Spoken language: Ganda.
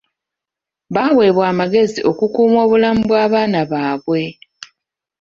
Baaweebwa amagezi okukuuma obulamu bw'abaana baabwe.